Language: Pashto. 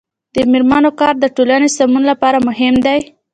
د میرمنو کار د ټولنې سمون لپاره مهم دی.